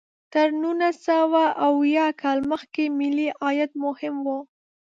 تر نولس سوه اویا کال مخکې ملي عاید مهم و.